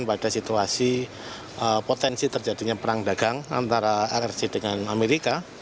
dan pada situasi potensi terjadinya perang dagang antara rsi dengan amerika